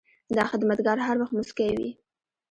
دا خدمتګار هر وخت موسکی وي.